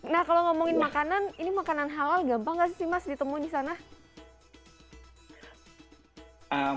nah kalau ngomongin makanan ini makanan halal gampang nggak sih mas ditemui di sana